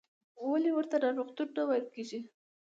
ولې ورته ناروغتون نه ویل کېږي؟